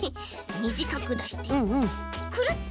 みじかくだしてくるっ！